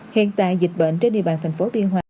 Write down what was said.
hiện tại dịch bệnh trên địa bàn thành phố biên hòa